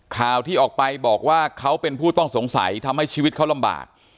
ข่าวที่ออกไปบอกว่าเขาเป็นผู้ต้องสงสัยทำให้ชีวิตเขาลำบาก